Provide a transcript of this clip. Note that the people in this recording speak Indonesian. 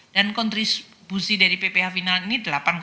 dan kontribusi dari pph final ini delapan tiga